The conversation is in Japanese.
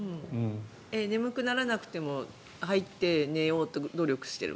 眠くならなくても入って、寝ようと努力している。